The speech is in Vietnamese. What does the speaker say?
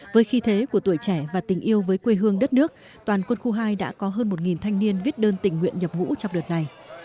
với khí thế của tuổi trẻ và tình yêu với quê hương đất nước toàn quân khu hai đã có hơn một thanh niên viết đơn tình nguyện nhập ngũ trong đợt này